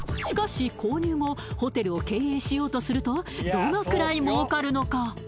しかし購入後ホテルを経営しようとするとどのくらい儲かるのか？